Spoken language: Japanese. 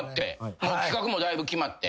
企画もだいぶ決まって。